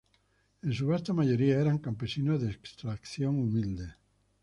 En su vasta mayoría eran campesinos de extracción humilde.